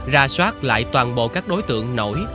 ra soát lại toàn bộ các đối tượng nổi